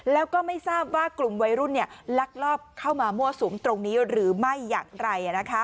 แล้วก็ไม่ทราบว่ากลุ่มวัยรุ่นลักลอบเข้ามามั่วสุมตรงนี้หรือไม่อย่างไร